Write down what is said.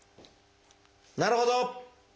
「なるほど」。